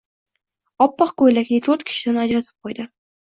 Oppoq ko‘ylakli to‘rt kishidan ajratib qo‘ydi.